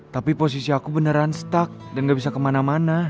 tapi posisi aku beneran stuck dan gak bisa kemana mana